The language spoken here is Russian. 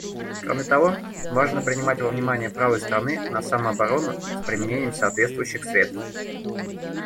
Кроме того, важно принимать во внимание право страны на самооборону с применением соответствующих средств.